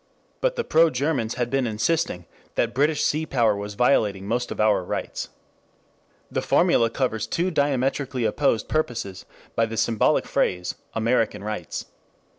But the pro Germans had been insisting that British sea power was violating most of our rights. The formula covers two diametrically opposed purposes by the symbolic phrase "American rights."